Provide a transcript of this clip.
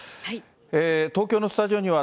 東京のスタジオには、